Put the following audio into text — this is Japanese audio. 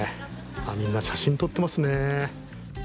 みんな写真撮ってますね。